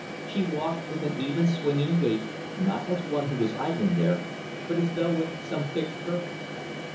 She walked with an even swinging gait, not as one who was idling there, but as though with some fixed purpose.